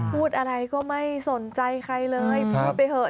พูดอะไรก็ไม่สนใจใครเลยพูดไปเถอะ